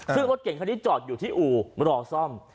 ซึ่งรถเก่งคันนี้จอดอยู่ที่อู่รอซ่อม